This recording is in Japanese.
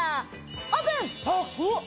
オープン！え！